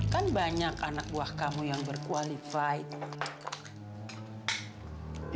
kan banyak anak buah kamu yang berkualified